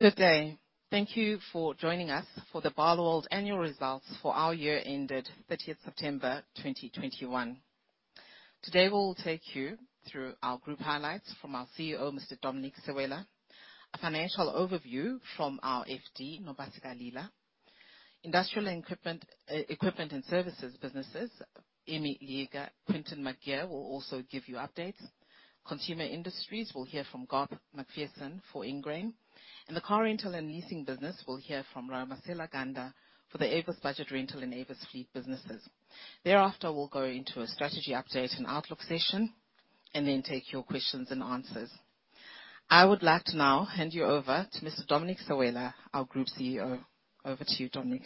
Good day. Thank you for joining us for the Barloworld annual results for our year ended 30 September 2021. Today, we'll take you through our group highlights from our CEO, Mr. Dominic Sewela, a financial overview from our FD, Nopasika Lila. Industrial equipment and services businesses, Emmy Leeka, Quinton McGeer will also give you updates. Consumer industries, we'll hear from Garth Macpherson for Ingrain. In the car rental and leasing business, we'll hear from Ramasela Ganda for the Avis Budget Rental and Avis Fleet businesses. Thereafter, we'll go into a strategy update and outlook session, and then take your questions and answers. I would like to now hand you over to Mr. Dominic Sewela, our Group CEO. Over to you, Dominic.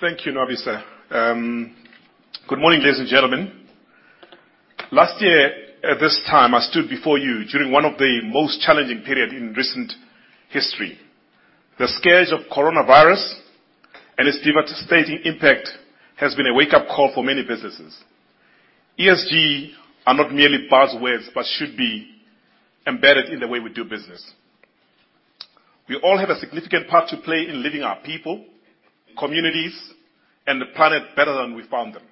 Thank you, Nopasika. Good morning, ladies and gentlemen. Last year at this time, I stood before you during one of the most challenging periods in recent history. The scourge of coronavirus and its devastating impact has been a wake-up call for many businesses. ESG is not merely buzzwords, but should be embedded in the way we do business. We all have a significant part to play in leaving our people, communities, and the planet better than we found them.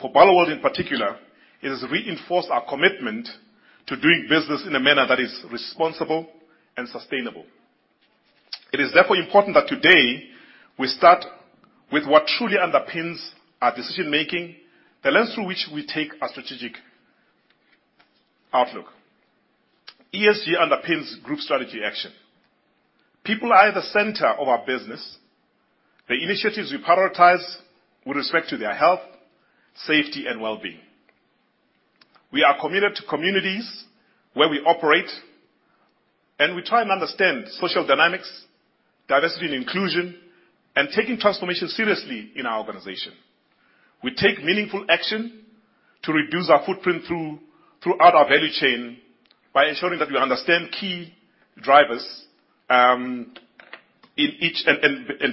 For Barloworld in particular, it has reinforced our commitment to doing business in a manner that is responsible and sustainable. It is therefore important that today we start with what truly underpins our decision-making, the lens through which we take our strategic outlook. ESG underpins Group strategy action. People are at the center of our business. The initiatives we prioritize with respect to their health, safety, and well-being. We are committed to communities where we operate, and we try and understand social dynamics, diversity and inclusion, and taking transformation seriously in our organization. We take meaningful action to reduce our footprint through our value chain by ensuring that we understand key drivers in each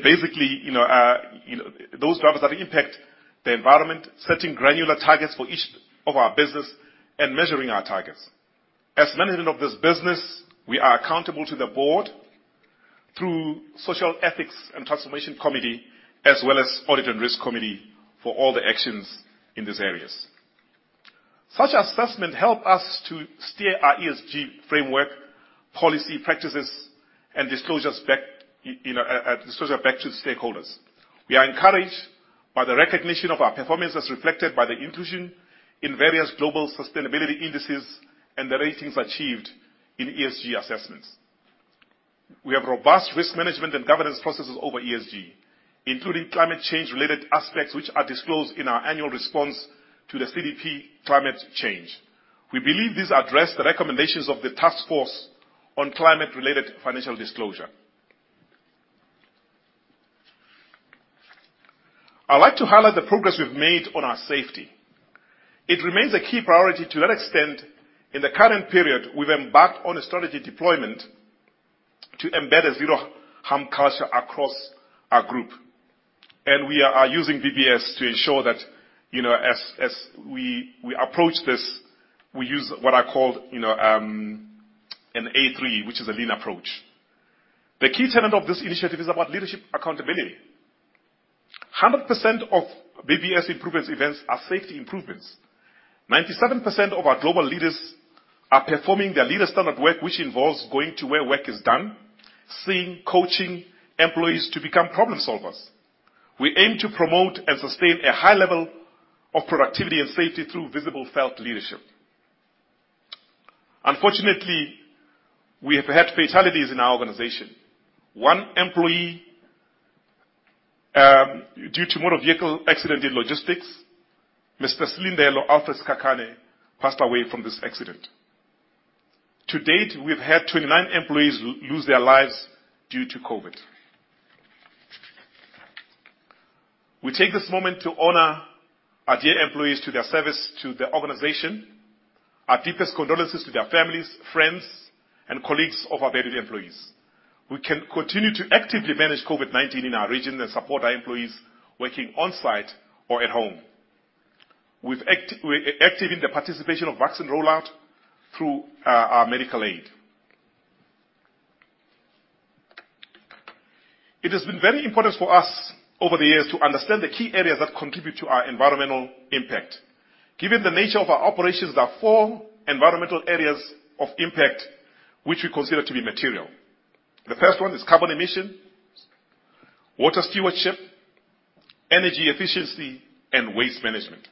basically, you know, those drivers that impact the environment, setting granular targets for each of our business and measuring our targets. As management of this business, we are accountable to the board through Social Ethics and Transformation Committee, as well as Audit and Risk Committee for all the actions in these areas. Such assessment help us to steer our ESG framework, policy, practices, and disclosures back, you know, disclosure back to stakeholders. We are encouraged by the recognition of our performance as reflected by the inclusion in various global sustainability indices and the ratings achieved in ESG assessments. We have robust risk management and governance processes over ESG, including climate change related aspects which are disclosed in our annual response to the CDP climate change. We believe this address the recommendations of the Task Force on Climate-related Financial Disclosures. I'd like to highlight the progress we've made on our safety. It remains a key priority. To that extent, in the current period, we've embarked on a strategy deployment to embed a zero harm culture across our group. We are using BBS to ensure that, you know, as we approach this, we use what are called, you know, an A3, which is a lean approach. The key tenet of this initiative is about leadership accountability. 100% of BBS improvements events are safety improvements. 97% of our global leaders are performing their leader standard work, which involves going to where work is done, seeing, coaching employees to become problem solvers. We aim to promote and sustain a high level of productivity and safety through visible felt leadership. Unfortunately, we have had fatalities in our organization. One employee, due to motor vehicle accident in logistics, Mr. Slindelo Alfred Skakane, passed away from this accident. To date, we've had 29 employees lose their lives due to COVID. We take this moment to honor our dear employees to their service to the organization. Our deepest condolences to their families, friends, and colleagues of our beloved employees. We can continue to actively manage COVID-19 in our region and support our employees working on-site or at home. We're active in the participation of vaccine rollout through our medical aid. It has been very important for us over the years to understand the key areas that contribute to our environmental impact. Given the nature of our operations, there are four environmental areas of impact which we consider to be material. The first one is carbon emission, water stewardship, energy efficiency, and waste management.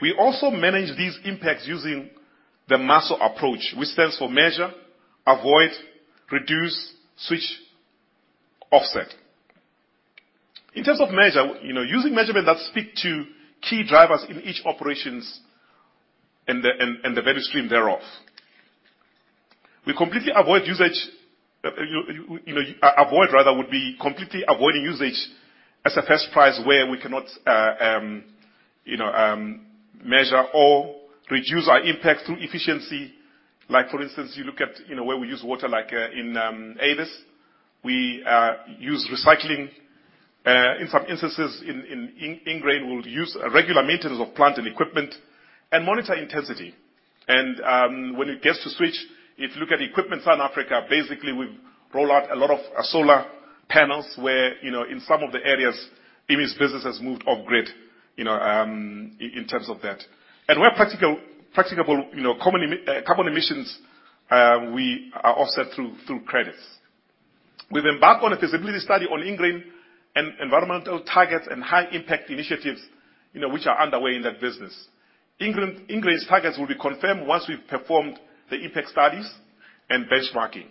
We also manage these impacts using the MASO approach, which stands for measure, avoid, reduce, switch, offset. In terms of measure, using measurement that speak to key drivers in each operations and the value stream thereof. We completely avoid usage rather would be completely avoiding usage as a first prize where we cannot measure or reduce our impact through efficiency. Like for instance, you look at, you know, where we use water, like, in Avis. We use recycling in some instances. In Ingrain, we'll use regular maintenance of plant and equipment and monitor intensity. When it gets to switch, if you look at Equipment Southern Africa, basically we've rolled out a lot of solar panels where, you know, in some of the areas Avis business has moved off grid, you know, in terms of that. Where practicable, you know, common carbon emissions we offset through credits. We've embarked on a feasibility study on Ingrain and environmental targets and high impact initiatives, you know, which are underway in that business. Ingrain's targets will be confirmed once we've performed the impact studies and benchmarking.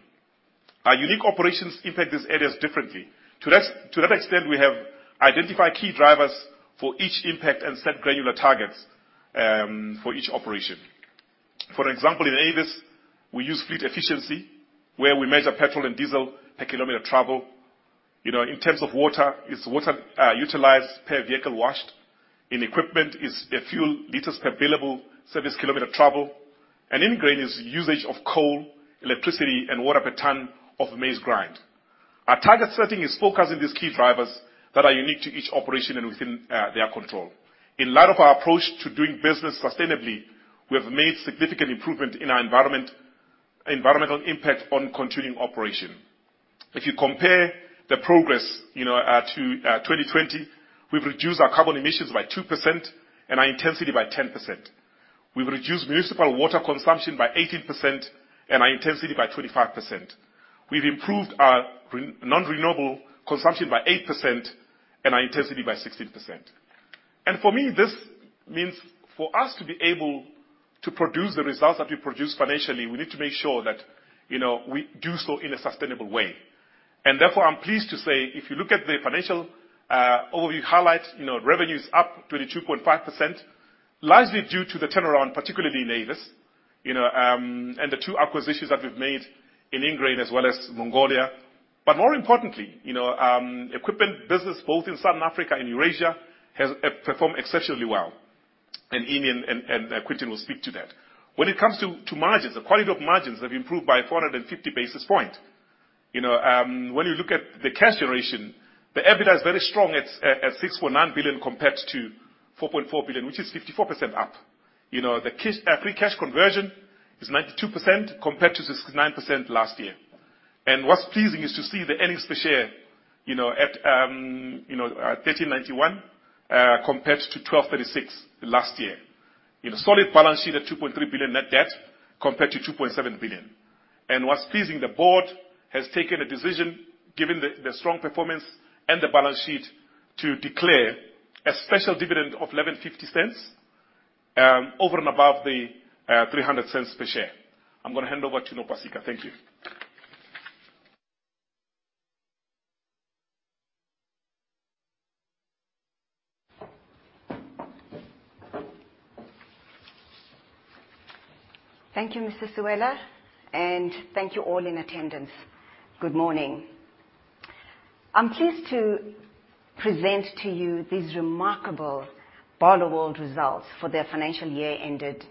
Our unique operations impact these areas differently. To that extent, we have identified key drivers for each impact and set granular targets for each operation. For example, in Avis, we use fleet efficiency, where we measure petrol and diesel per kilometer traveled. You know, in terms of water, it's water utilized per vehicle washed. In equipment, it's fuel liters per billable service kilometer traveled. Ingrain is usage of coal, electricity, and water per ton of maize ground. Our target setting is focusing these key drivers that are unique to each operation and within their control. In light of our approach to doing business sustainably, we have made significant improvement in our environmental impact on continuing operation. If you compare the progress, you know, to 2020, we've reduced our carbon emissions by 2% and our intensity by 10%. We've reduced municipal water consumption by 18% and our intensity by 25%. We've improved our non-renewable consumption by 8% and our intensity by 16%. For me, this means for us to be able to produce the results that we produce financially, we need to make sure that, you know, we do so in a sustainable way. Therefore, I'm pleased to say, if you look at the financial overview highlights, you know, revenue is up 22.5%, largely due to the turnaround, particularly in Avis, you know, and the two acquisitions that we've made in Ingrain as well as Mongolia. More importantly, you know, equipment business both in Southern Africa and Eurasia has performed exceptionally well. Ian and Quinton will speak to that. When it comes to margins, the quality of margins have improved by 450 basis points. You know, when you look at the cash generation, the EBITDA is very strong at 6.9 billion compared to 4.4 billion, which is 54% up. You know, the free cash conversion is 92% compared to 69% last year. What's pleasing is to see the earnings per share, you know, at 1,391 compared to 1,236 last year. You know, solid balance sheet at 2.3 billion net debt compared to 2.7 billion. What's pleasing, the board has taken a decision, given the strong performance and the balance sheet, to declare a special dividend of 11.50 over and above the 3.00 per share. I'm gonna hand over to Nopasika. Thank you. Thank you, Mr. Sewela, and thank you all in attendance. Good morning. I'm pleased to present to you these remarkable Barloworld results for their financial year ended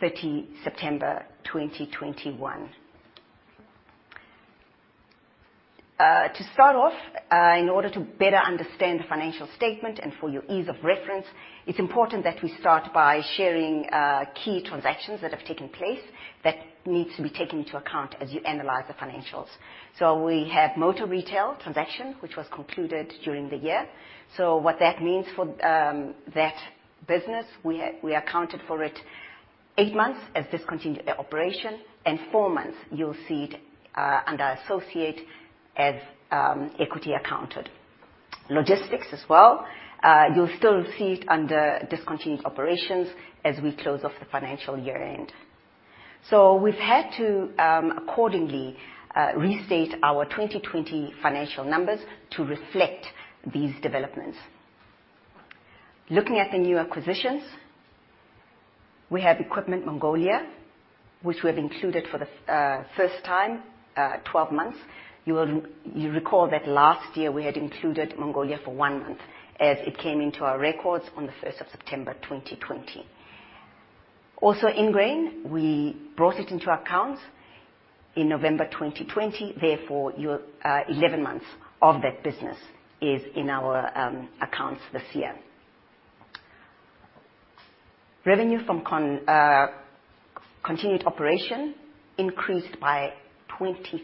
30 September 2021. To start off, in order to better understand the financial statement and for your ease of reference, it's important that we start by sharing key transactions that have taken place that need to be taken into account as you analyze the financials. We have motor retail transaction, which was concluded during the year. What that means for that business, we accounted for it eight months as discontinued operation, and four months you'll see it under associate as equity accounted. Logistics as well, you'll still see it under discontinued operations as we close off the financial year-end. We've had to accordingly restate our 2020 financial numbers to reflect these developments. Looking at the new acquisitions, we have Barloworld Mongolia, which we have included for the first time, 12 months. You'll recall that last year we had included Mongolia for 1 month as it came into our records on the first of September 2020. Also, Ingrain, we brought it into our accounts in November 2020, therefore you're eleven months of that business is in our accounts this year. Revenue from continued operation increased by 23%,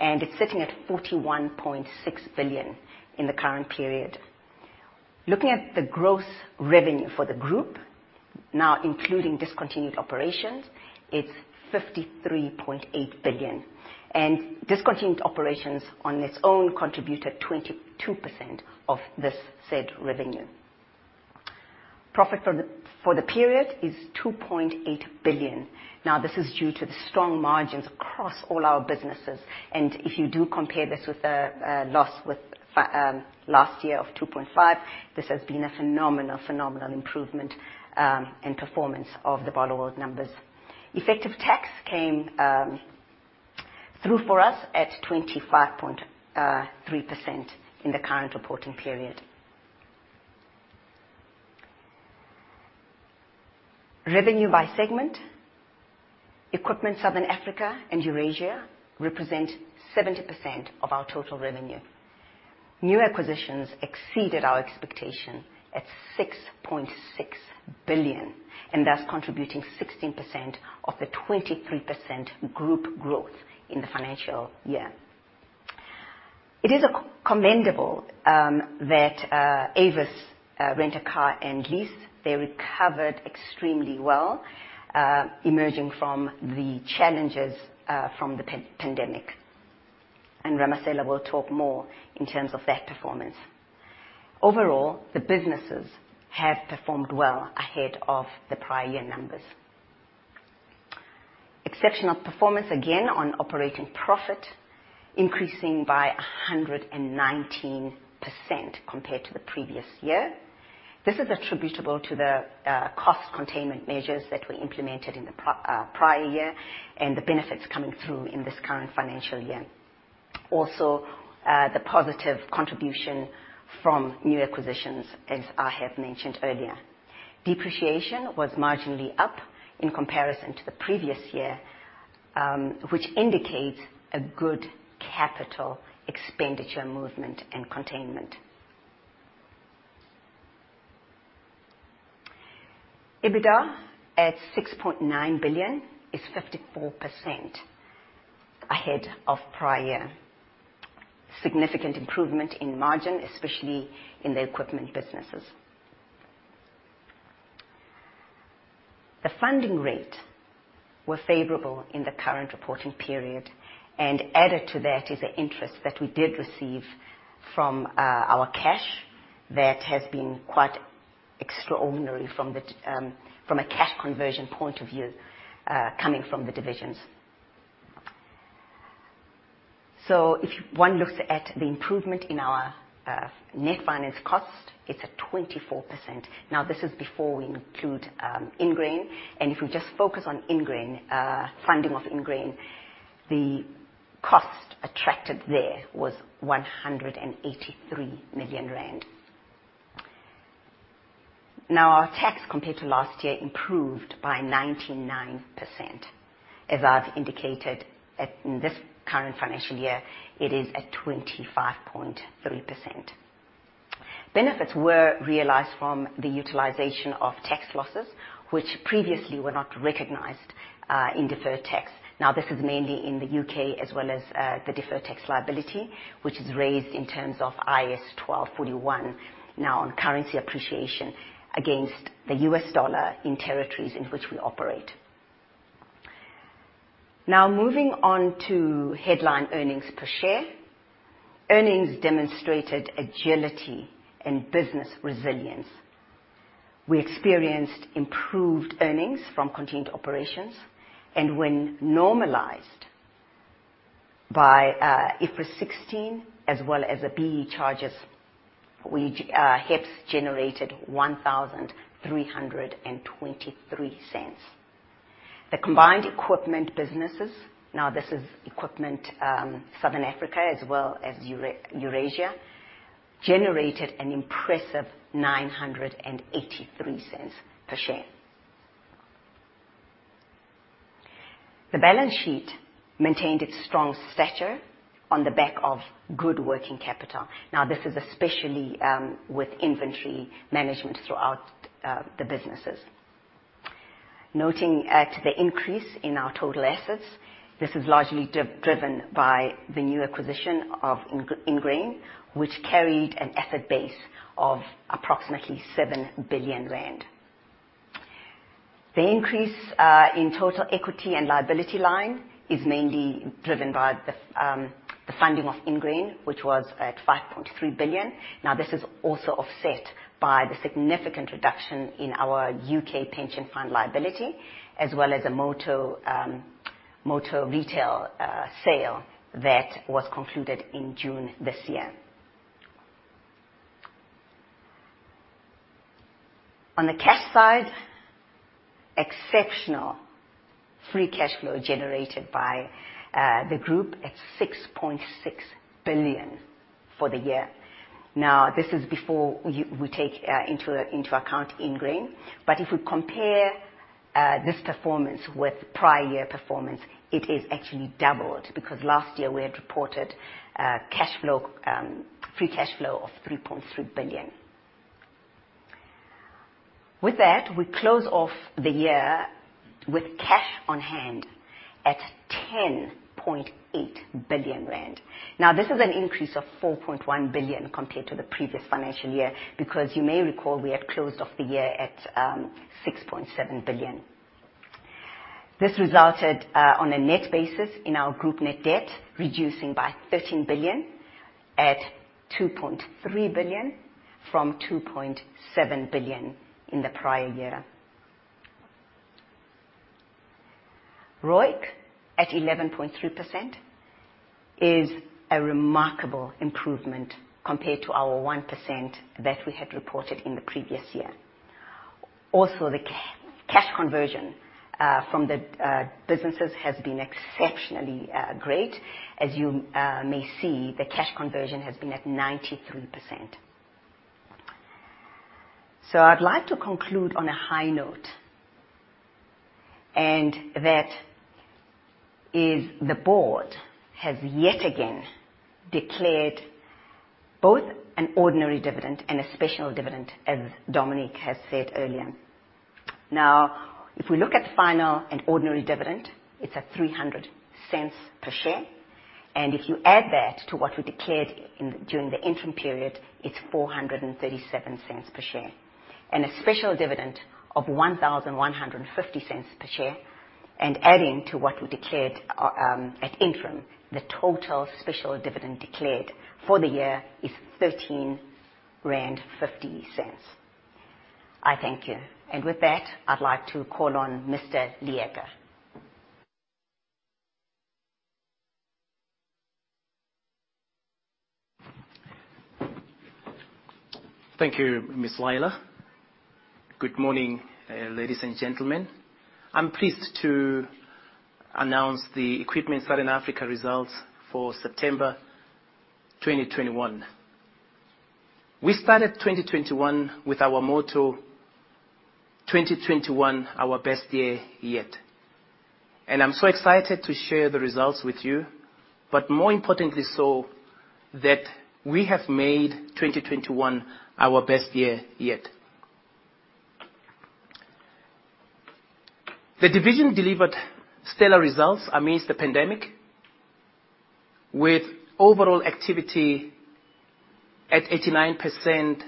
and it's sitting at 41.6 billion in the current period. Looking at the gross revenue for the group, now including discontinued operations, it's 53.8 billion. Discontinued operations on its own contributed 22% of this said revenue. Profit for the period is 2.8 billion. This is due to the strong margins across all our businesses, and if you do compare this with the loss from last year of 2.5 billion, this has been a phenomenal improvement and performance of the Barloworld numbers. Effective tax came through for us at 25.3% in the current reporting period. Revenue by segment. Equipment Southern Africa and Eurasia represent 70% of our total revenue. New acquisitions exceeded our expectation at 6.6 billion, and thus contributing 16% of the 23% group growth in the financial year. It is commendable that Avis Rent a Car and Lease recovered extremely well, emerging from the challenges from the pandemic. Ramasela will talk more in terms of that performance. Overall, the businesses have performed well ahead of the prior year numbers. Exceptional performance again on operating profit, increasing by 119% compared to the previous year. This is attributable to the cost containment measures that were implemented in the prior year and the benefits coming through in this current financial year. Also, the positive contribution from new acquisitions, as I have mentioned earlier. Depreciation was marginally up in comparison to the previous year, which indicates a good capital expenditure movement and containment. EBITDA at 6.9 billion is 54% ahead of prior year. Significant improvement in margin, especially in the equipment businesses. The funding rate was favorable in the current reporting period, and added to that is the interest that we did receive from our cash that has been quite extraordinary from a cash conversion point of view coming from the divisions. If one looks at the improvement in our net finance cost, it's at 24%. Now, this is before we include Ingrain. If we just focus on Ingrain funding of Ingrain, the cost attracted there was 183 million rand. Our tax compared to last year improved by 99%. As I've indicated, in this current financial year, it is at 25.3%. Benefits were realized from the utilization of tax losses, which previously were not recognized in deferred tax. Now, this is mainly in the U.K. as well as the deferred tax liability, which is raised in terms of IS0 1241 now on currency appreciation against the U.S. dollar in territories in which we operate. Now, moving on to headline earnings per share. Earnings demonstrated agility and business resilience. We experienced improved earnings from continued operations and when normalized by IFRS 16 as well as the BEE charges, we HEPS generated 1,323 cents. The combined equipment businesses, now this is Equipment Southern Africa as well as Equipment Eurasia, generated an impressive 983 cents per share. The balance sheet maintained its strong stature on the back of good working capital. Now this is especially with inventory management throughout the businesses. Noting the increase in our total assets, this is largely driven by the new acquisition of Ingrain, which carried an asset base of approximately 7 billion rand. The increase in total equity and liability line is mainly driven by the funding of Ingrain, which was at 5.3 billion. Now, this is also offset by the significant reduction in our U.K. pension fund liability, as well as a motor retail sale that was concluded in June this year. On the cash side, exceptional free cash flow generated by the group at 6.6 billion for the year. Now, this is before we take into account Ingrain. If we compare this performance with prior year performance, it is actually doubled because last year we had reported free cash flow of 3.3 billion. With that, we close off the year with cash on hand at 10.8 billion rand. Now, this is an increase of 4.1 billion compared to the previous financial year, because you may recall we had closed off the year at 6.7 billion. This resulted on a net basis in our group net debt reducing by 13 billion at 2.3 billion, from 2.7 billion in the prior year. ROIC at 11.3% is a remarkable improvement compared to our 1% that we had reported in the previous year. Also, the cash conversion from the businesses has been exceptionally great. As you may see, the cash conversion has been at 93%. I'd like to conclude on a high note, and that is the board has yet again declared both an ordinary dividend and a special dividend, as Dominic has said earlier. Now, if we look at final and ordinary dividend, it's at 3.00 per share. If you add that to what we declared during the interim period, it's 4.37 per share. A special dividend of 11.50 per share. Adding to what we declared at interim, the total special dividend declared for the year is 13.50 rand. I thank you. With that, I'd like to call on Mr. Leeka. Thank you, Ms. Lila. Good morning, ladies and gentlemen. I'm pleased to announce the Equipment Southern Africa results for September 2021. We started 2021 with our motto, "2021, our best year yet." I'm so excited to share the results with you, but more importantly so, that we have made 2021 our best year yet. The division delivered stellar results amidst the pandemic, with overall activity at 89%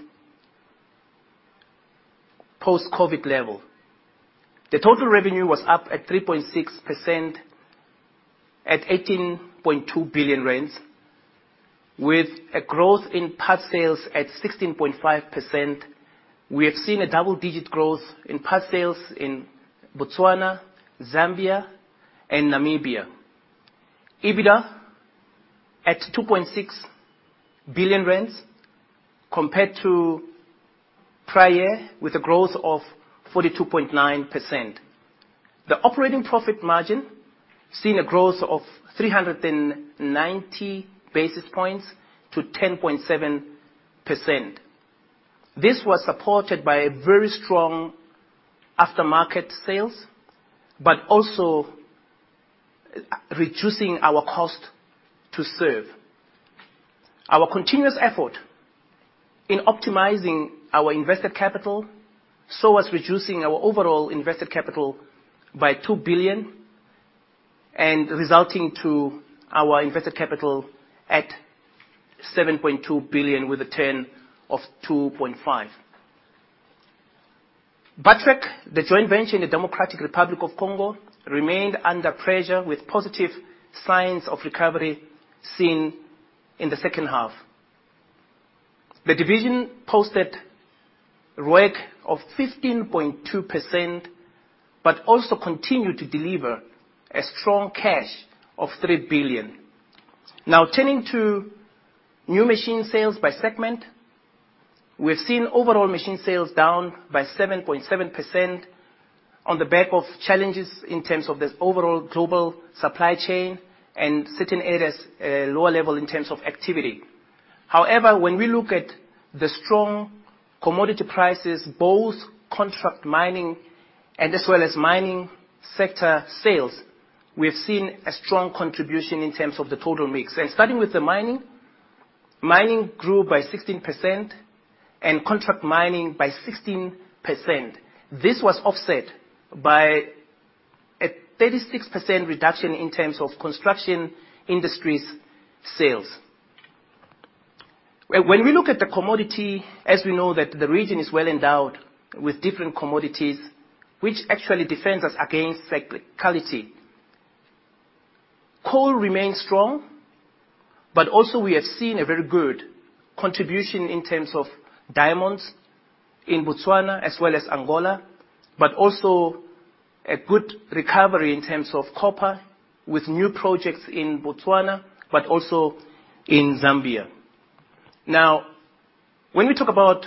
post-COVID level. The total revenue was up at 3.6% at 18.2 billion rand, with a growth in parts sales at 16.5%. We have seen a double-digit growth in parts sales in Botswana, Zambia and Namibia. EBITDA at 2.6 billion rand compared to prior with a growth of 42.9%. The operating profit margin seen a growth of 390 basis points to 10.7%. This was supported by a very strong aftermarket sales, but also, reducing our cost to serve. Our continuous effort in optimizing our invested capital so was reducing our overall invested capital by 2 billion and resulting to our invested capital at 7.2 billion with a return of 2.5. Bartrac, the joint venture in the Democratic Republic of Congo, remained under pressure with positive signs of recovery seen in the second half. The division posted ROIC of 15.2%, but also continued to deliver a strong cash of 3 billion. Now, turning to new machine sales by segment, we have seen overall machine sales down by 7.7% on the back of challenges in terms of the overall global supply chain and certain areas, lower level in terms of activity. However, when we look at the strong commodity prices, both contract mining and as well as mining sector sales, we have seen a strong contribution in terms of the total mix. Starting with the mining grew by 16% and contract mining by 16%. This was offset by a 36% reduction in terms of construction industries' sales. When we look at the commodity, as we know that the region is well-endowed with different commodities, which actually defends us against cyclicality. Coal remains strong, but also we have seen a very good contribution in terms of diamonds in Botswana as well as Angola, but also a good recovery in terms of copper with new projects in Botswana, but also in Zambia. Now, when we talk about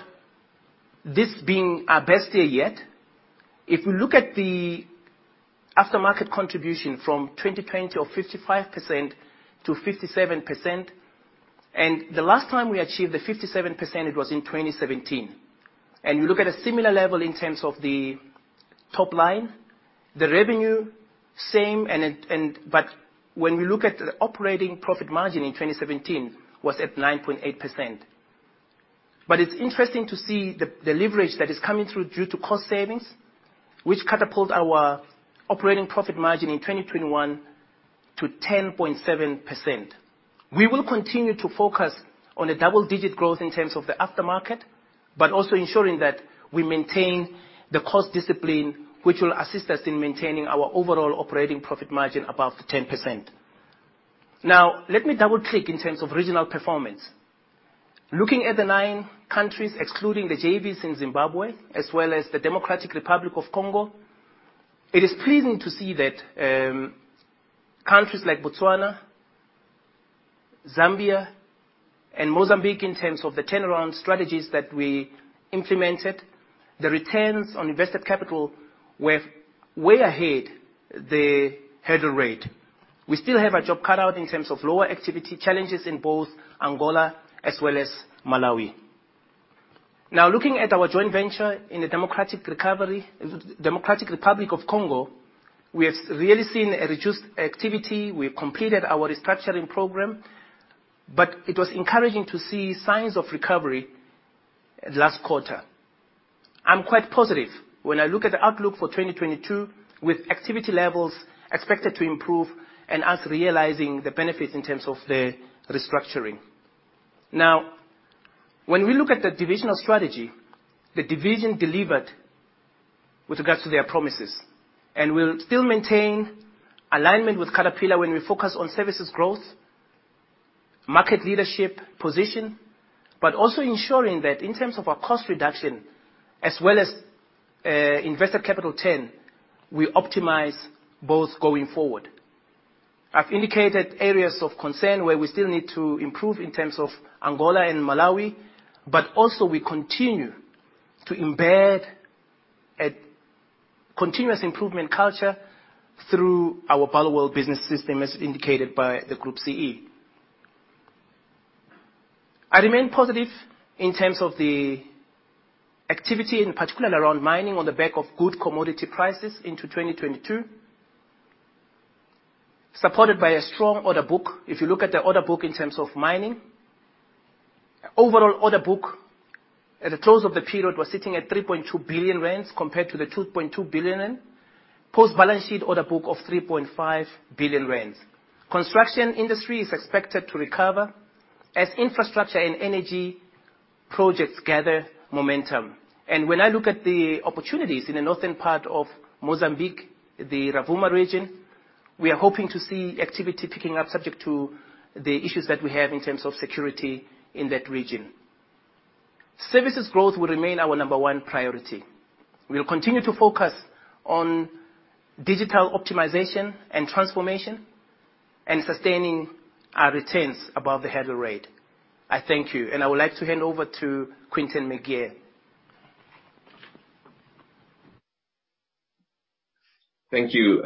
this being our best year yet, if we look at the aftermarket contribution from 2020 of 55% to 57%, and the last time we achieved the 57%, it was in 2017. You look at a similar level in terms of the top line, the revenue. When we look at the operating profit margin in 2017 was at 9.8%. It's interesting to see the leverage that is coming through due to cost savings, which catapult our operating profit margin in 2021 to 10.7%. We will continue to focus on a double-digit growth in terms of the aftermarket, but also ensuring that we maintain the cost discipline, which will assist us in maintaining our overall operating profit margin above 10%. Now, let me double-click in terms of regional performance. Looking at the nine countries, excluding the JVs in Zimbabwe as well as the Democratic Republic of Congo, it is pleasing to see that countries like Botswana, Zambia and Mozambique, in terms of the turnaround strategies that we implemented, the returns on invested capital were way ahead of the hurdle rate. We still have our work cut out in terms of lower activity challenges in both Angola as well as Malawi. Now looking at our joint venture in the Democratic Republic of Congo, we have really seen a reduced activity. We've completed our restructuring program, but it was encouraging to see signs of recovery last quarter. I'm quite positive when I look at the outlook for 2022, with activity levels expected to improve and us realizing the benefits in terms of the restructuring. Now, when we look at the divisional strategy, the division delivered with regards to their promises. We'll still maintain alignment with Caterpillar when we focus on services growth, market leadership position, but also ensuring that in terms of our cost reduction as well as investor capital, then we optimize both going forward. I've indicated areas of concern where we still need to improve in terms of Angola and Malawi, but also we continue to embed a continuous improvement culture through our Barloworld Business System, as indicated by the Group CEO. I remain positive in terms of the activity, and particularly around mining on the back of good commodity prices into 2022, supported by a strong order book. If you look at the order book in terms of mining, overall order book at the close of the period was sitting at 3.2 billion rand compared to the 2.2 billion rand, post balance sheet order book of 3.5 billion rand. Construction industry is expected to recover as infrastructure and energy projects gather momentum. When I look at the opportunities in the northern part of Mozambique, the Rovuma region, we are hoping to see activity picking up, subject to the issues that we have in terms of security in that region. Services growth will remain our number one priority. We'll continue to focus on digital optimization and transformation and sustaining our returns above the hurdle rate. I thank you and I would like to hand over to Quinton McGeer. Thank you,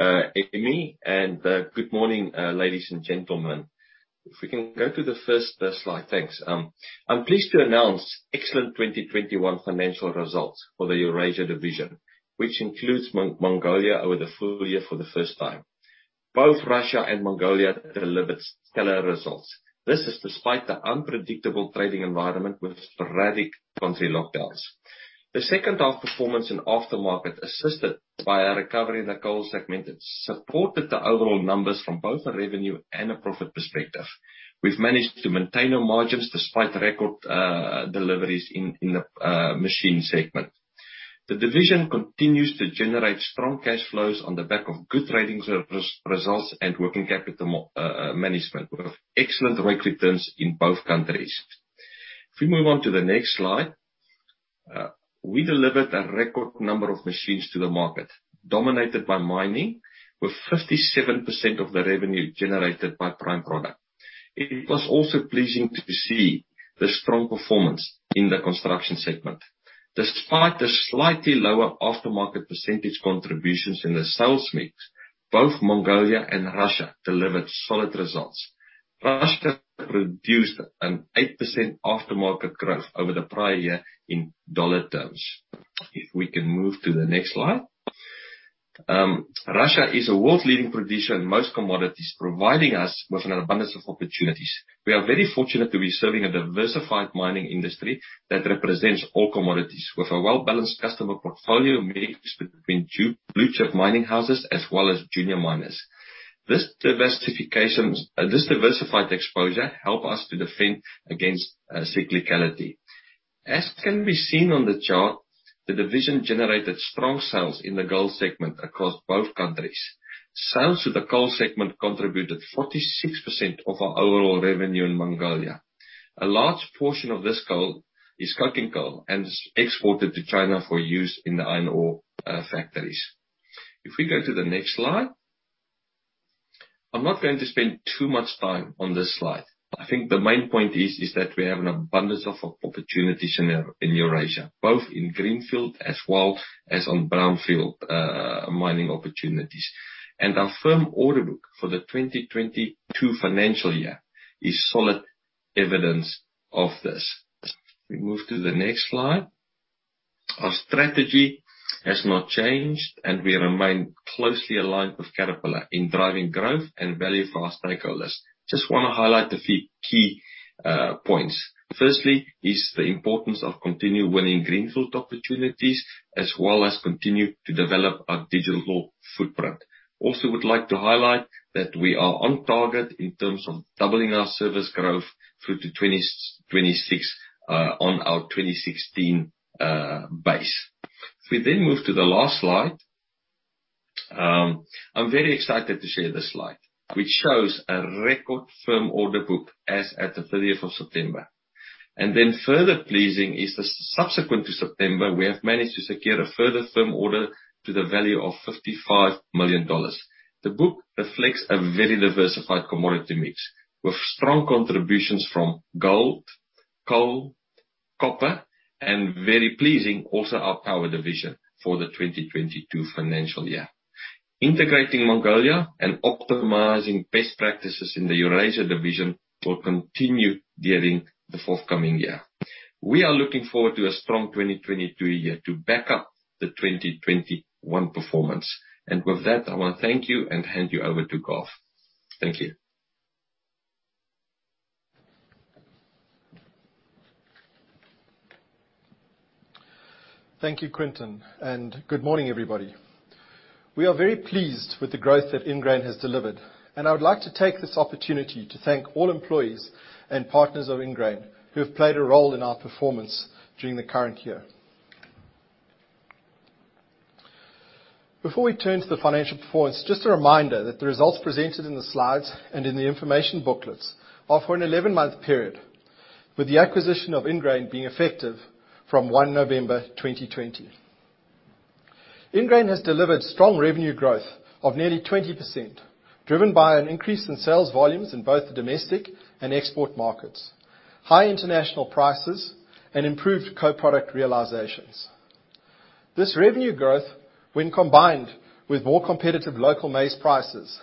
Emmy, and good morning, ladies and gentlemen. If we can go to the first slide. Thanks. I'm pleased to announce excellent 2021 financial results for the Equipment Eurasia division, which includes Mongolia over the full year for the first time. Both Russia and Mongolia delivered stellar results. This is despite the unpredictable trading environment with sporadic country lockdowns. The second half performance in aftermarket, assisted by a recovery in the coal segment, supported the overall numbers from both a revenue and a profit perspective. We've managed to maintain our margins despite record deliveries in the machine segment. The division continues to generate strong cash flows on the back of good trading results and working capital management with excellent ROIC returns in both countries. If we move on to the next slide. We delivered a record number of machines to the market, dominated by mining, with 57% of the revenue generated by prime product. It was also pleasing to see the strong performance in the construction segment. Despite the slightly lower aftermarket percentage contributions in the sales mix, both Mongolia and Russia delivered solid results. Russia produced an 8% aftermarket growth over the prior year in dollar terms. If we can move to the next slide. Russia is a world leading producer in most commodities, providing us with an abundance of opportunities. We are very fortunate to be serving a diversified mining industry that represents all commodities, with a well-balanced customer portfolio mixed between two blue-chip mining houses as well as junior miners. This diversified exposure help us to defend against cyclicality. As can be seen on the chart, the division generated strong sales in the gold segment across both countries. Sales to the coal segment contributed 46% of our overall revenue in Mongolia. A large portion of this coal is coking coal and is exported to China for use in the iron ore factories. If we go to the next slide. I'm not going to spend too much time on this slide. I think the main point is that we have an abundance of opportunities in Eurasia, both in greenfield as well as on brownfield mining opportunities. Our firm order book for the 2022 financial year is solid evidence of this. If we move to the next slide. Our strategy has not changed, and we remain closely aligned with Caterpillar in driving growth and value for our stakeholders. Just wanna highlight a few key points. Firstly is the importance of continue winning greenfield opportunities as well as continue to develop our digital footprint. Also would like to highlight that we are on target in terms of doubling our service growth through to 2026 on our 2016 base. If we then move to the last slide. I'm very excited to share this slide, which shows a record firm order book as at the 30th of September. Further pleasing is the subsequent to September, we have managed to secure a further firm order to the value of $55 million. The book reflects a very diversified commodity mix, with strong contributions from gold, coal, copper, and very pleasing also our power division for the 2022 financial year. Integrating Mongolia and optimizing best practices in the Eurasia division will continue during the forthcoming year. We are looking forward to a strong 2022 year to back up the 2021 performance. With that, I wanna thank you and hand you over to Garth. Thank you. Thank you, Quinton, and good morning, everybody. We are very pleased with the growth that Ingrain has delivered, and I would like to take this opportunity to thank all employees and partners of Ingrain who have played a role in our performance during the current year. Before we turn to the financial performance, just a reminder that the results presented in the slides and in the information booklets are for an 11-month period, with the acquisition of Ingrain being effective from 1 November 2020. Ingrain has delivered strong revenue growth of nearly 20%, driven by an increase in sales volumes in both the domestic and export markets, high international prices, and improved co-product realizations. This revenue growth, when combined with more competitive local maize prices,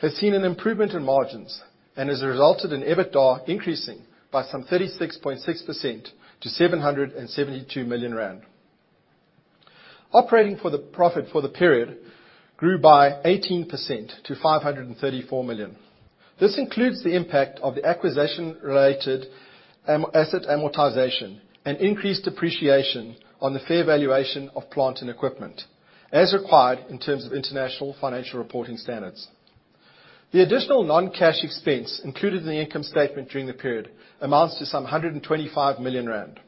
has seen an improvement in margins and has resulted in EBITDA increasing by some 36.6% to 772 million rand. Operating profit for the period grew by 18% to 534 million. This includes the impact of the acquisition-related asset amortization and increased depreciation on the fair valuation of plant and equipment, as required in terms of International Financial Reporting Standards. The additional non-cash expense included in the income statement during the period amounts to some 125 million rand.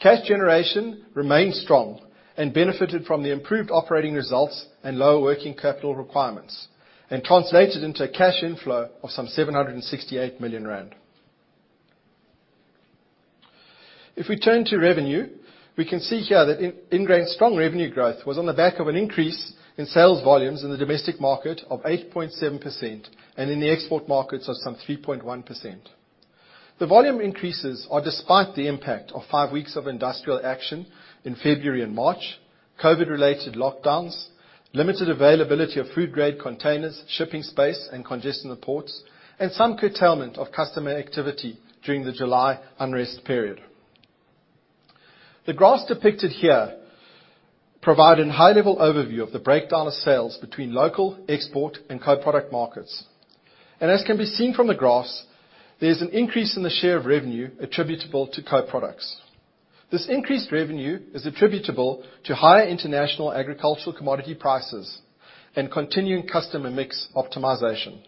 Cash generation remained strong and benefited from the improved operating results and lower working capital requirements, and translated into a cash inflow of some 768 million rand. If we turn to revenue, we can see here that Ingrain's strong revenue growth was on the back of an increase in sales volumes in the domestic market of 8.7% and in the export markets of some 3.1%. The volume increases are despite the impact of five weeks of industrial action in February and March, COVID-related lockdowns, limited availability of food-grade containers, shipping space, and congestion at ports, and some curtailment of customer activity during the July unrest period. The graphs depicted here provide a high-level overview of the breakdown of sales between local, export, and co-product markets. As can be seen from the graphs, there's an increase in the share of revenue attributable to co-products. This increased revenue is attributable to higher international agricultural commodity prices and continuing customer mix optimization.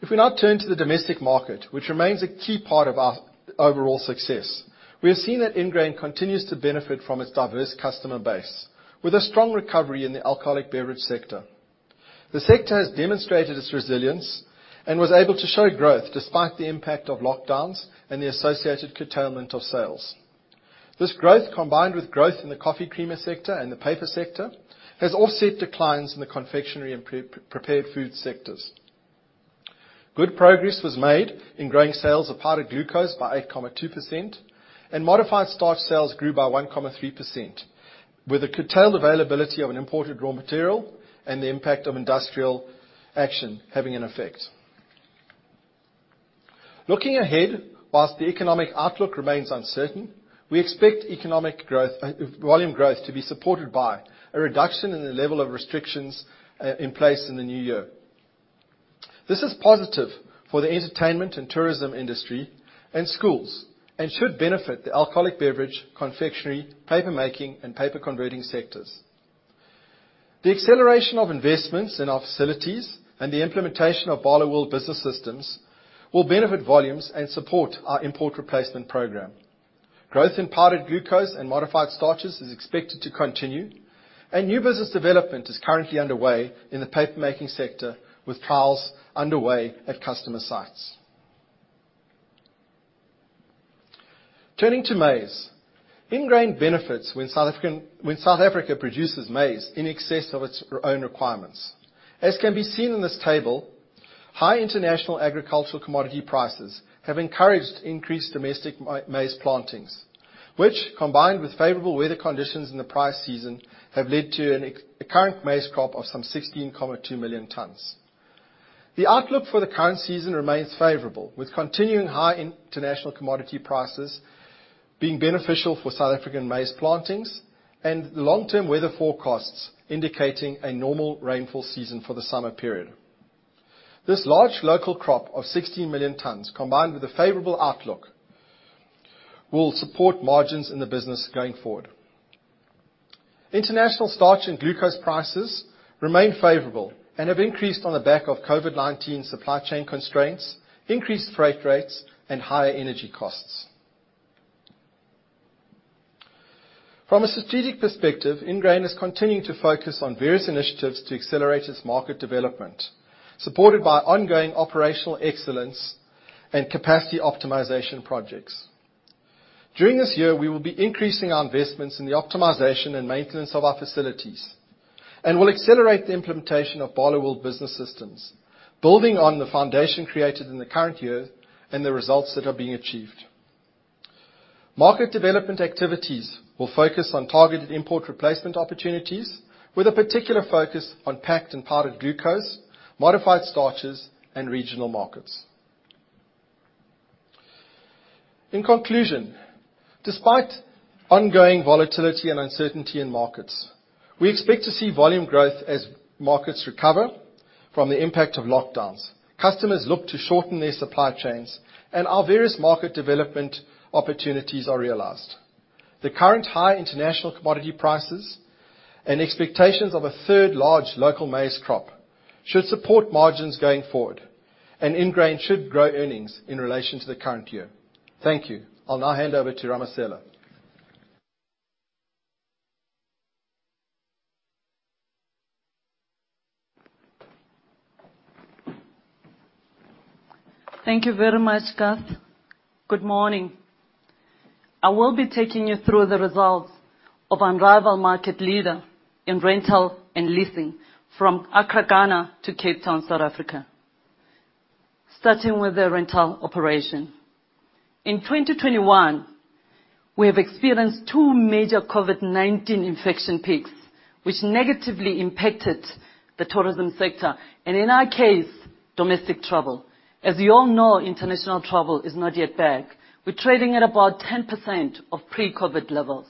If we now turn to the domestic market, which remains a key part of our overall success, we have seen that Ingrain continues to benefit from its diverse customer base with a strong recovery in the alcoholic beverage sector. The sector has demonstrated its resilience and was able to show growth despite the impact of lockdowns and the associated curtailment of sales. This growth, combined with growth in the coffee creamer sector and the paper sector, has offset declines in the confectionery and prepared food sectors. Good progress was made in growing sales of powdered glucose by 8.2%, and modified starch sales grew by 1.3%, with the curtailed availability of an imported raw material and the impact of industrial action having an effect. Looking ahead, while the economic outlook remains uncertain, we expect economic growth, volume growth to be supported by a reduction in the level of restrictions in place in the new year. This is positive for the entertainment and tourism industry and schools and should benefit the alcoholic beverage, confectionery, paper-making, and paper-converting sectors. The acceleration of investments in our facilities and the implementation of Barloworld Business Systems will benefit volumes and support our import replacement program. Growth in powdered glucose and modified starches is expected to continue, and new business development is currently underway in the paper-making sector, with trials underway at customer sites. Turning to maize. Ingrain benefits when South Africa produces maize in excess of its own requirements. As can be seen in this table, high international agricultural commodity prices have encouraged increased domestic maize plantings, which, combined with favorable weather conditions in the prior season, have led to a current maize crop of some 16.2 million tons. The outlook for the current season remains favorable, with continuing high international commodity prices being beneficial for South African maize plantings and long-term weather forecasts indicating a normal rainfall season for the summer period. This large local crop of 16 million tons, combined with a favorable outlook, will support margins in the business going forward. International starch and glucose prices remain favorable and have increased on the back of COVID-19 supply chain constraints, increased freight rates, and higher energy costs. From a strategic perspective, Ingrain is continuing to focus on various initiatives to accelerate its market development, supported by ongoing operational excellence and capacity optimization projects. During this year, we will be increasing our investments in the optimization and maintenance of our facilities, and we'll accelerate the implementation of Barloworld Business Systems, building on the foundation created in the current year and the results that are being achieved. Market development activities will focus on targeted import replacement opportunities, with a particular focus on packed and powdered glucose, modified starches, and regional markets. In conclusion, despite ongoing volatility and uncertainty in markets, we expect to see volume growth as markets recover from the impact of lockdowns. Customers look to shorten their supply chains, and our various market development opportunities are realized. The current high international commodity prices and expectations of a third large local maize crop should support margins going forward, and Ingrain should grow earnings in relation to the current year. Thank you. I'll now hand over to Ramasela. Thank you very much, Garth. Good morning. I will be taking you through the results of unrivaled market leader in rental and leasing from Accra, Ghana to Cape Town, South Africa. Starting with the rental operation. In 2021, we have experienced two major COVID-19 infection peaks, which negatively impacted the tourism sector, and in our case, domestic travel. As you all know, international travel is not yet back. We're trading at about 10% of pre-COVID levels.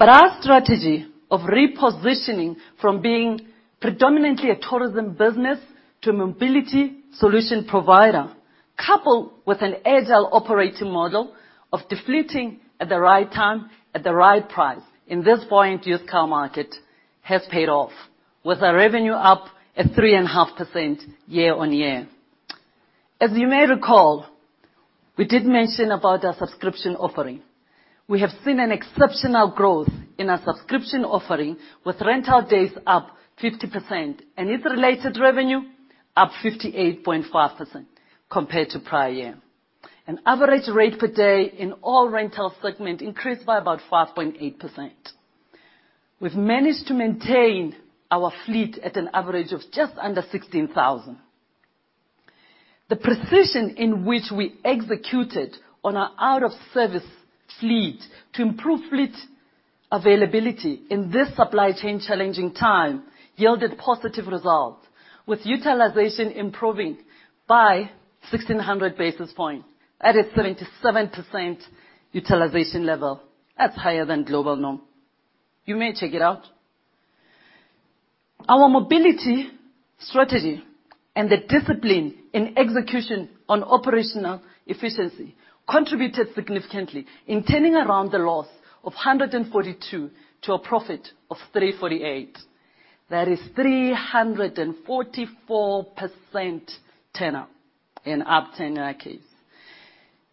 Our strategy of repositioning from being predominantly a tourism business to a mobility solution provider, coupled with an agile operating model of defleeting at the right time, at the right price in this foreign used car market, has paid off, with our revenue up at 3.5% year-over-year. As you may recall, we did mention about our subscription offering. We have seen exceptional growth in our subscription offering, with rental days up 50%, and its related revenue up 58.5% compared to prior year. An average rate per day in all rental segment increased by about 5.8%. We've managed to maintain our fleet at an average of just under 16,000. The precision in which we executed on our out of service fleet to improve fleet availability in this supply chain challenging time yielded positive results, with utilization improving by 1,600 basis points at a 77% utilization level. That's higher than global norm. You may check it out. Our mobility strategy and the discipline in execution on operational efficiency contributed significantly in turning around the loss of 142 to a profit of 348. That is 344% turnaround, an upturn in our case.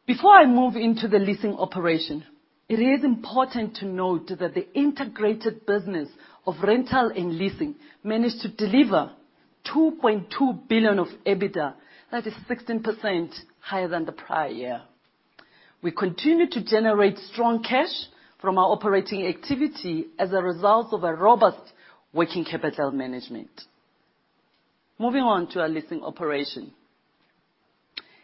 Before I move into the leasing operation, it is important to note that the integrated business of rental and leasing managed to deliver 2.2 billion of EBITDA. That is 16% higher than the prior year. We continue to generate strong cash from our operating activity as a result of a robust working capital management. Moving on to our leasing operation.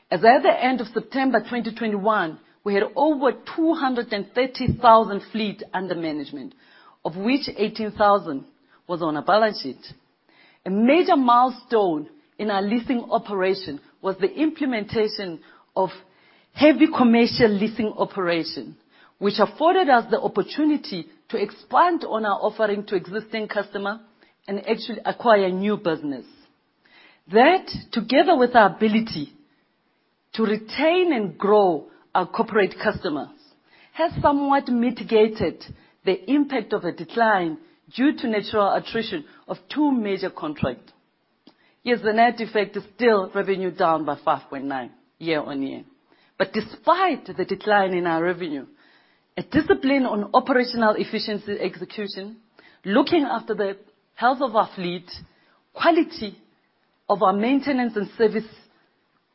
As at the end of September 2021, we had over 230,000 fleet under management, of which 18,000 was on our balance sheet. A major milestone in our leasing operation was the implementation of heavy commercial leasing operation, which afforded us the opportunity to expand on our offering to existing customer and actually acquire new business. That, together with our ability to retain and grow our corporate customers, has somewhat mitigated the impact of a decline due to natural attrition of two major contract. Yes, the net effect is still revenue down by 5.9% year-on-year. Despite the decline in our revenue, a discipline on operational efficiency execution, looking after the health of our fleet, quality of our maintenance and service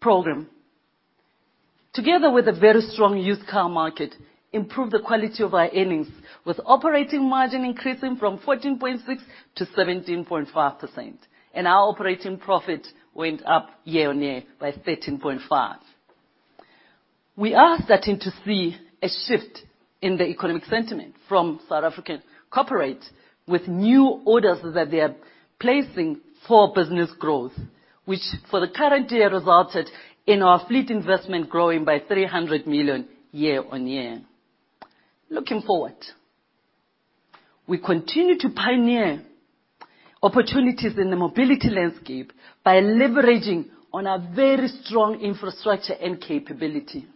program, together with a very strong used car market, improved the quality of our earnings, with operating margin increasing from 14.6% to 17.5%. Our operating profit went up year-on-year by 13.5%. We are starting to see a shift in the economic sentiment from South African corporates with new orders that they are placing for business growth, which for the current year resulted in our fleet investment growing by 300 million year-on-year. Looking forward, we continue to pioneer opportunities in the mobility landscape by leveraging on our very strong infrastructure and capability.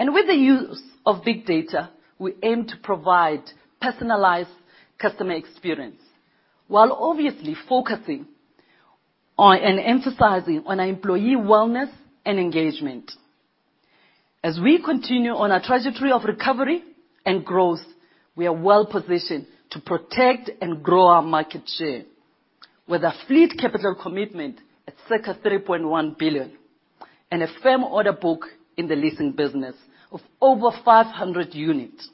With the use of big data, we aim to provide personalized customer experience while obviously focusing on and emphasizing on our employee wellness and engagement. As we continue on our trajectory of recovery and growth, we are well-positioned to protect and grow our market share with a fleet capital commitment at circa 3.1 billion and a firm order book in the leasing business of over 500 units.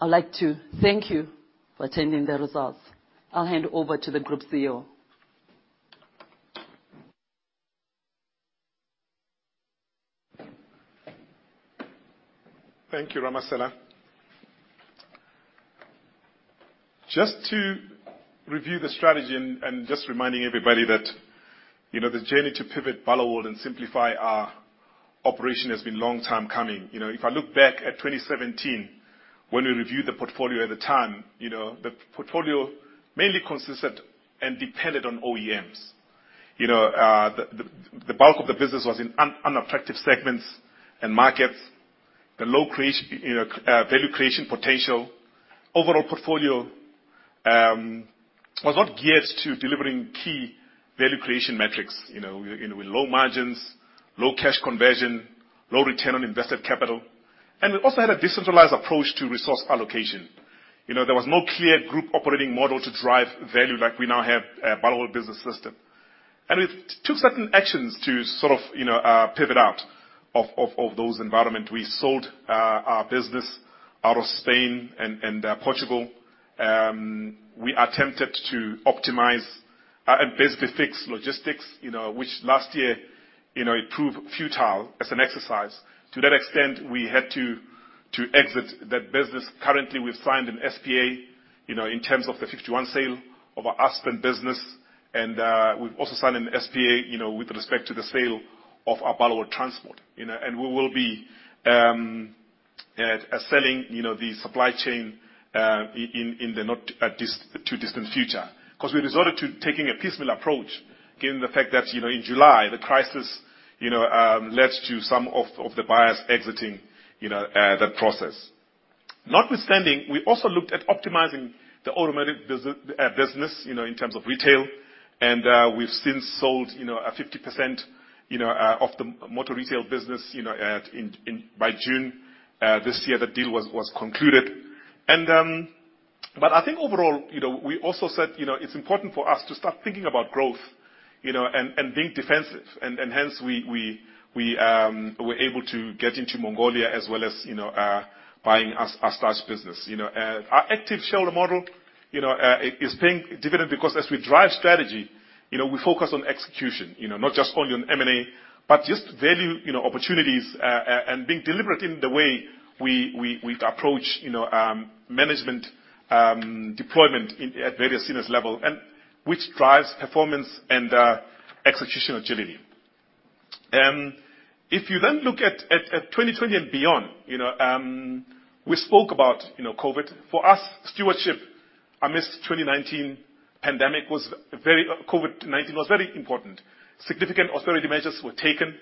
I'd like to thank you for attending the results. I'll hand over to the group CEO. Thank you, Ramasela. Just to review the strategy and just reminding everybody that, you know, the journey to pivot Barloworld and simplify our operation has been long time coming. You know, if I look back at 2017, when we reviewed the portfolio at the time, you know, the portfolio mainly consisted and depended on OEMs. You know, the bulk of the business was in unattractive segments and markets, the low value creation potential. Overall portfolio was not geared to delivering key value creation metrics. You know, with low margins, low cash conversion, low return on invested capital. It also had a decentralized approach to resource allocation. You know, there was no clear group operating model to drive value like we now have at Barloworld Business System. We've took certain actions to sort of, you know, pivot out of those environment. We sold our business out of Spain and Portugal. We attempted to optimize and basically fix logistics, you know, which last year, you know, it proved futile as an exercise. To that extent, we had to exit that business. Currently, we've signed an SPA, you know, in terms of the 51 sale of our Aspen business, and we've also signed an SPA, you know, with respect to the sale of our Barloworld Transport, you know. We will be selling, you know, the supply chain in the not too distant future, 'cause we resorted to taking a piecemeal approach, given the fact that, you know, in July, the crisis, you know, led to some of the buyers exiting, you know, that process. Notwithstanding, we also looked at optimizing the automotive business, you know, in terms of retail. We've since sold, you know, 50% of the motor retail business, you know, by June this year, the deal was concluded. But I think overall, you know, we also said, you know, it's important for us to start thinking about growth, you know, and being defensive. Hence we were able to get into Mongolia as well as, you know, buying a starch business, you know. Our active shareholder model, you know, is paying dividends because as we drive strategy, you know, we focus on execution. You know, not just only on M&A, but just value, you know, opportunities and being deliberate in the way we approach, you know, management deployment at various senior levels and which drives performance and execution agility. If you look at 2020 and beyond, you know, we spoke about, you know, COVID. For us, stewardship amidst COVID-19 pandemic was very important. Significant austerity measures were taken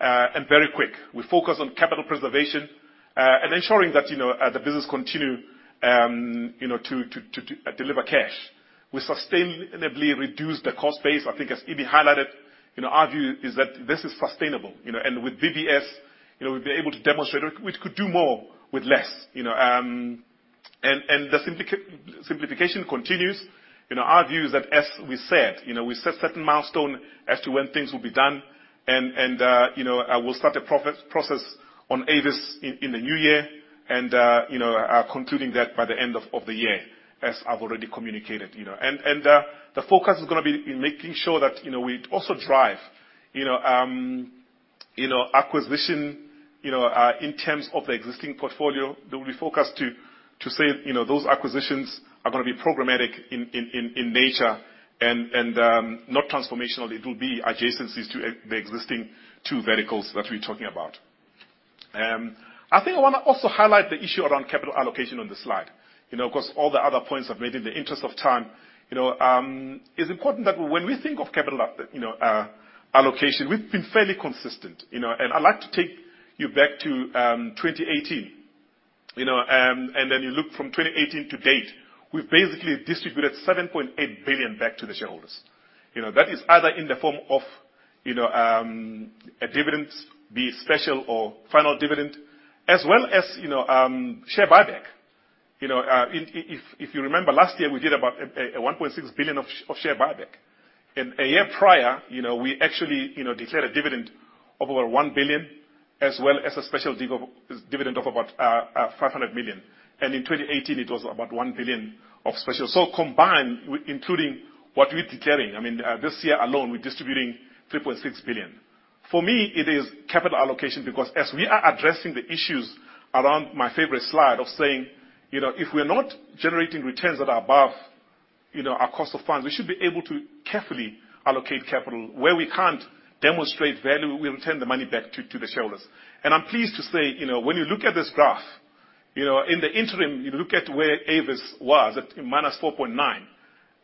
and very quick. We focused on capital preservation, and ensuring that, you know, the business continue, you know, to deliver cash. We sustainably reduced the cost base. I think as Ibi highlighted, you know, our view is that this is sustainable, you know. With BBS, you know, we've been able to demonstrate we could do more with less, you know. The simplification continues. You know, our view is that, as we said, you know, we set certain milestone as to when things will be done and, you know, we'll start the process on Avis in the new year and, you know, concluding that by the end of the year, as I've already communicated, you know. The focus is gonna be in making sure that, you know, we also drive, you know, you know, acquisition, you know, in terms of the existing portfolio. That we focus to say, you know, those acquisitions are gonna be programmatic in nature and not transformational. It will be adjacencies to the existing two verticals that we're talking about. I think I wanna also highlight the issue around capital allocation on this slide. You know, 'cause all the other points I've made in the interest of time. You know, it's important that when we think of capital allocation, we've been fairly consistent, you know. I'd like to take you back to 2018, you know, and then you look from 2018 to date, we've basically distributed 7.8 billion back to the shareholders. You know, that is either in the form of, you know, a dividend, be it special or final dividend, as well as, you know, share buyback. You know, if you remember, last year, we did about a 1.6 billion of share buyback. A year prior, you know, we actually, you know, declared a dividend of over 1 billion, as well as a special dividend of about 500 million. In 2018, it was about 1 billion of special. Combined with including what we're declaring, I mean, this year alone, we're distributing 3.6 billion. For me, it is capital allocation because as we are addressing the issues around my favorite slide of saying, you know, if we're not generating returns that are above, you know, our cost of funds, we should be able to carefully allocate capital. Where we can't demonstrate value, we'll return the money back to the shareholders. I'm pleased to say, you know, when you look at this graph, you know, in the interim, you look at where Avis was at -4.9%.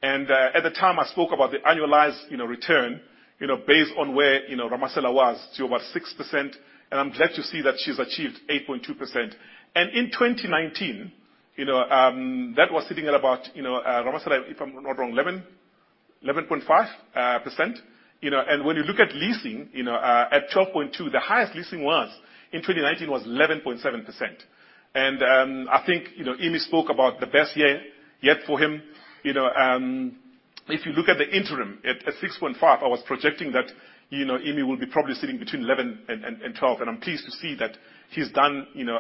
At the time, I spoke about the annualized, you know, return, you know, based on where, you know, Ramasela was to about 6%, and I'm glad to see that she's achieved 8.2%. In 2019, you know, that was sitting at about, you know, Ramasela, if I'm not wrong, 11.5%, you know. When you look at leasing, you know, at 12.2, the highest leasing was, in 2019 was 11.7%. I think, you know, Emmy spoke about the best year yet for him. You know, if you look at the interim at 6.5, I was projecting that, you know, Emmy will be probably sitting between 11 and 12, and I'm pleased to see that he's done, you know,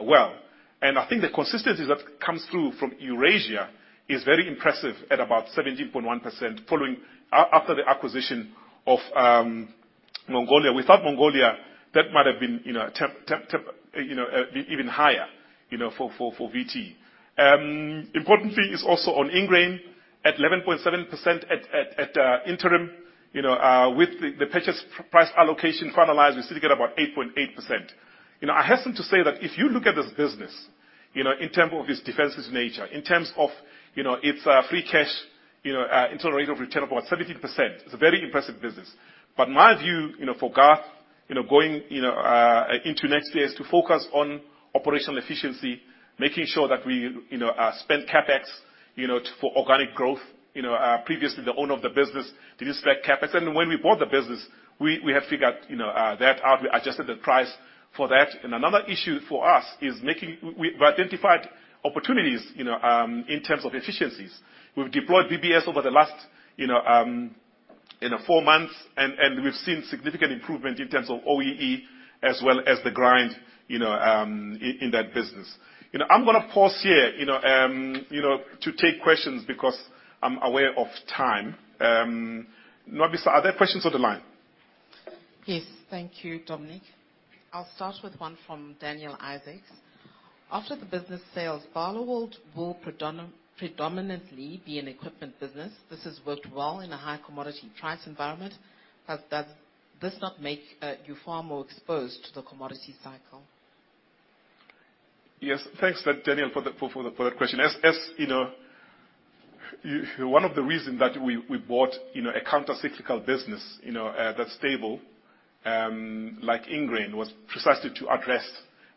well. I think the consistency that comes through from Eurasia is very impressive at about 17.1% following after the acquisition of Mongolia. Without Mongolia, that might have been, you know, ten, you know, even higher, you know, for VT. Importantly is also on Ingrain at 11.7% at interim. You know, with the purchase price allocation finalized, we still get about 8.8%. You know, I hasten to say that if you look at this business, you know, in terms of its defensive nature, in terms of, you know, its free cash, you know, internal rate of return about 17%, it's a very impressive business. But my view, you know, for Garth, you know, going, you know, into next year is to focus on operational efficiency, making sure that we, you know, spend CapEx, you know, for organic growth. You know, previously the owner of the business didn't respect CapEx. When we bought the business, we have figured, you know, that out. We adjusted the price for that. Another issue for us is making... We identified opportunities, you know, in terms of efficiencies. We've deployed BBS over the last, you know, four months and we've seen significant improvement in terms of OEE as well as the grind, you know, in that business. You know, I'm gonna pause here, you know, to take questions because I'm aware of time. Nopasika, are there questions on the line? Yes. Thank you, Dominic. I'll start with one from Daniel Isaacs. After the business sales, Barloworld will predominantly be an equipment business. This has worked well in a high commodity price environment. Does this not make you far more exposed to the commodity cycle? Yes. Thanks, Daniel, for that question. As you know, you know, one of the reasons that we bought, you know, a counter-cyclical business, you know, that's stable, like Ingrain, was precisely to address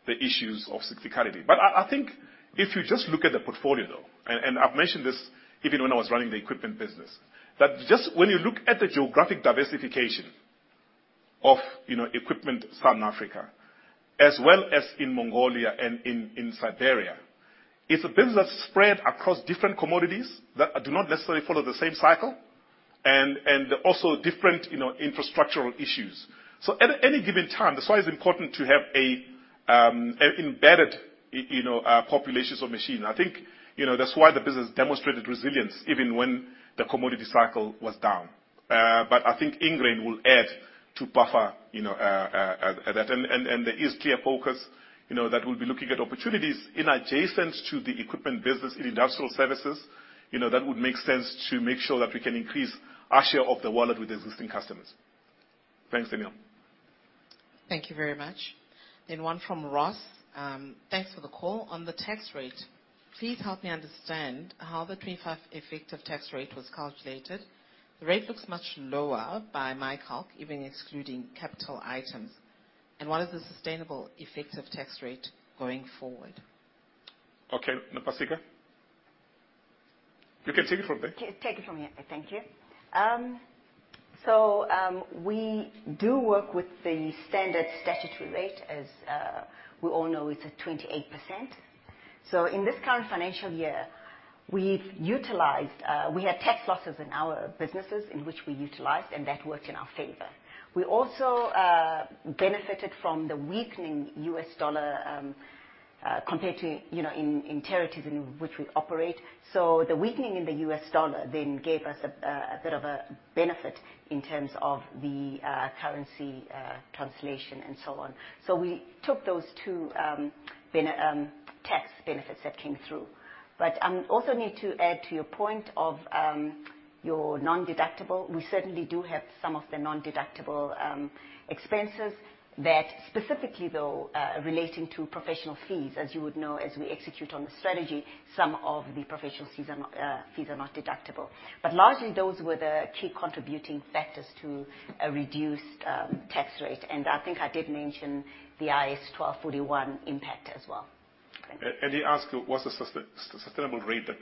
the issues of cyclicality. But I think if you just look at the portfolio, though, and I've mentioned this even when I was running the equipment business, that just when you look at the geographic diversification of, you know, Equipment Southern Africa as well as in Mongolia and in Siberia, it's a business spread across different commodities that do not necessarily follow the same cycle and also different, you know, infrastructural issues. So at any given time, that's why it's important to have an embedded, you know, populations of machines. I think, you know, that's why the business demonstrated resilience even when the commodity cycle was down. I think Ingrain will add a buffer, you know, that. There is clear focus, you know, that we'll be looking at opportunities in adjacent to the equipment business in industrial services. You know, that would make sense to make sure that we can increase our share of the wallet with existing customers. Thanks, Daniel. Thank you very much. One from Ross. Thanks for the call. On the tax rate, please help me understand how the 25% effective tax rate was calculated. The rate looks much lower by my calc, even excluding capital items. What is the sustainable effective tax rate going forward? Okay. Nopasika. You can take it from there. Can take it from here. Thank you. We do work with the standard statutory rate. As we all know, it's at 28%. In this current financial year, we had tax losses in our businesses that we utilized, and that worked in our favor. We also benefited from the weakening U.S. dollar compared to, you know, in territories in which we operate. The weakening in the U.S. dollar then gave us a bit of a benefit in terms of the currency translation and so on. We took those two tax benefits that came through. Also need to add to your point of your non-deductible. We certainly do have some of the non-deductible expenses that specifically, though, relating to professional fees. As you would know, as we execute on the strategy, some of the professional fees are not deductible. Largely, those were the key contributing factors to a reduced tax rate. I think I did mention the IS0 1241 impact as well. Thank you. He asked what's the sustainable rate that,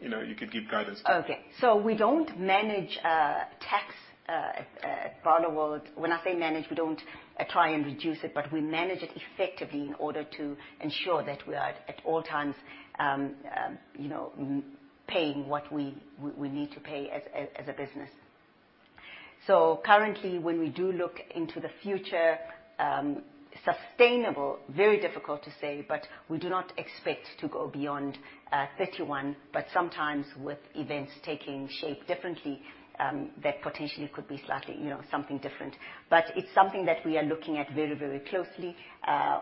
you know, you could give guidance to. Okay. We don't manage tax at Barloworld. When I say manage, we don't try and reduce it, but we manage it effectively in order to ensure that we are at all times, you know, paying what we need to pay as a business. Currently, when we do look into the future, sustainable, very difficult to say, but we do not expect to go beyond 31%, but sometimes with events taking shape differently, that potentially could be slightly, you know, something different. It's something that we are looking at very, very closely.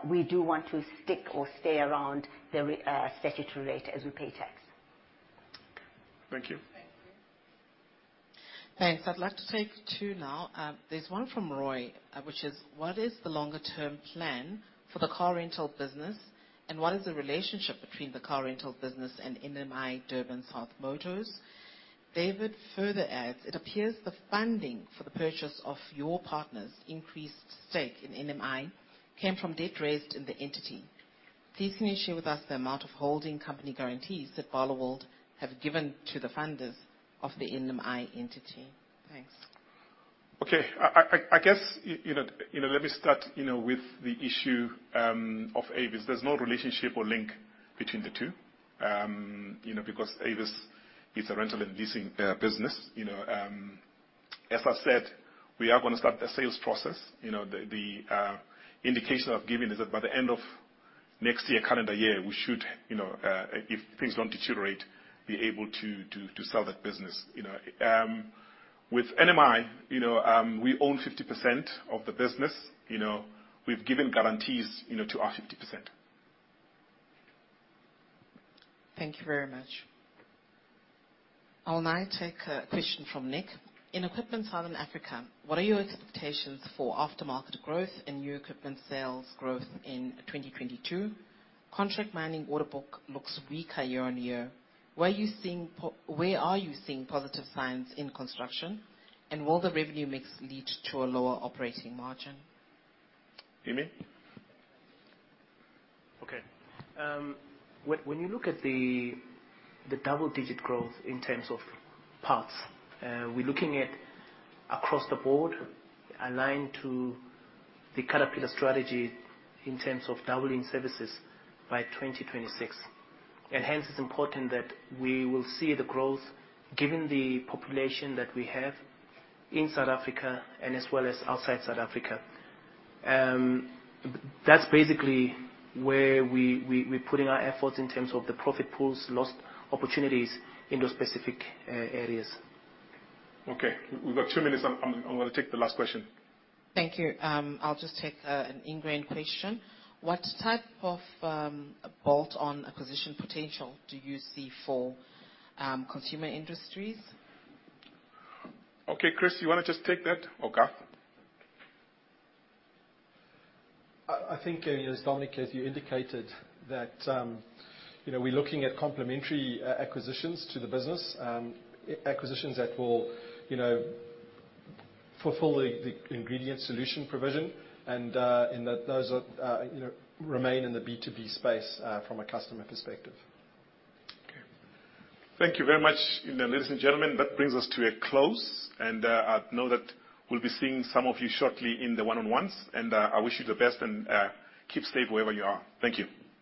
We do want to stick or stay around the statutory rate as we pay tax. Thank you. Thank you. Thanks. I'd like to take two now. There's one from Roy, which is what is the longer-term plan for the car rental business, and what is the relationship between the car rental business and NMI Durban South Motors? David further adds, "It appears the funding for the purchase of your partner's increased stake in NMI came from debt raised in the entity. Please can you share with us the amount of holding company guarantees that Barloworld have given to the funders of the NMI entity?" Thanks. Okay. I guess, you know, let me start, you know, with the issue of Avis. There's no relationship or link between the two. You know, because Avis is a rental and leasing business, you know. As I said, we are gonna start the sales process. You know, the indication I've given is that by the end of next year, calendar year, we should, you know, if things don't deteriorate, be able to sell that business, you know. With NMI, you know, we own 50% of the business. You know, we've given guarantees, you know, to our 50%. Thank you very much. I'll now take a question from Nick. "In Equipment Southern Africa, what are your expectations for aftermarket growth and new equipment sales growth in 2022? Contract mining order book looks weaker year-on-year. Where are you seeing positive signs in construction? And will the revenue mix lead to a lower operating margin? Emmy? Okay. When you look at the double-digit growth in terms of parts, we're looking at across the board aligned to the Caterpillar strategy in terms of doubling services by 2026. Hence it's important that we will see the growth given the population that we have in South Africa and as well as outside South Africa. That's basically where we're putting our efforts in terms of the profit pools lost opportunities in those specific areas. Okay. We've got two minutes. I'm gonna take the last question. Thank you. I'll just take an Ingrain question. "What type of bolt-on acquisition potential do you see for consumer industries? Okay. Chris, you wanna just take that? Or Garth? I think you know, Dominic, as you indicated that you know, we're looking at complementary acquisitions to the business. Acquisitions that will you know, fulfill the ingredient solution provision and that those are you know, remain in the B2B space from a customer perspective. Okay. Thank you very much. Ladies and gentlemen, that brings us to a close. I know that we'll be seeing some of you shortly in the one-on-ones. I wish you the best, and keep safe wherever you are. Thank you.